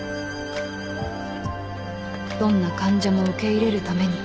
［どんな患者も受け入れるために］